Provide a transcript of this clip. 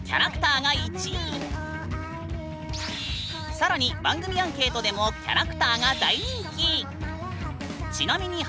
更に番組アンケートでもキャラクターが大人気！